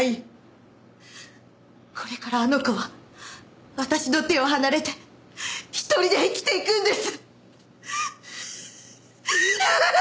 これからあの子は私の手を離れて１人で生きていくんです。